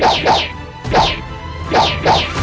kau tidak akan selamat